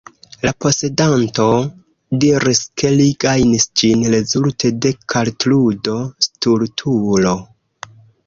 La posedanto diris, ke li gajnis ĝin rezulte de kartludo Stultulo.